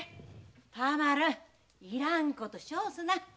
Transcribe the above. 田丸いらんことしょうすな。